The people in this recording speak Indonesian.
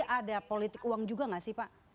ada politik uang juga nggak sih pak